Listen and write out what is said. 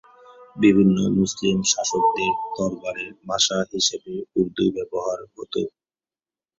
বিভিন্ন মুসলিম শাসকদের দরবারের ভাষা হিসেবে উর্দু ব্যবহার হত।